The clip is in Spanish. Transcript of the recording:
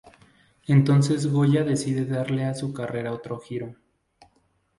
Entonces Goya decide darle a su carrera otro giro.